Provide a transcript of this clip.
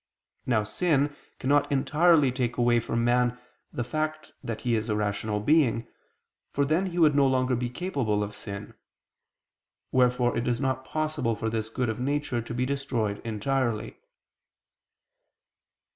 Now sin cannot entirely take away from man the fact that he is a rational being, for then he would no longer be capable of sin. Wherefore it is not possible for this good of nature to be destroyed entirely.